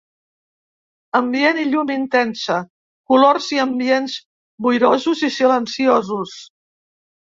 Ambient i llum intensa ; colors i ambients boirosos i silenciosos.